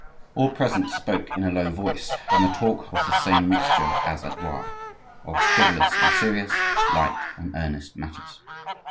All present spoke in a low voice and the talk was the same mixture as at Blois, of frivolous and serious, light and earnest matters.